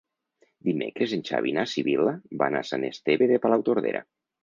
Dimecres en Xavi i na Sibil·la van a Sant Esteve de Palautordera.